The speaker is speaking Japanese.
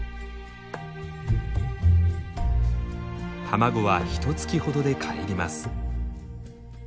卵はひとつきほどでかえります。